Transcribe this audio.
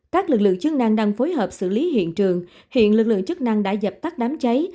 các lực lượng chức năng đang phối hợp xử lý hiện trường hiện lực lượng chức năng đã dập tắt đám cháy